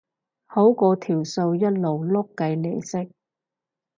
好過條數一路碌計利息